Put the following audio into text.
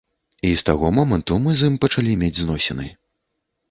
І з таго моманту мы з ім пачалі мець зносіны.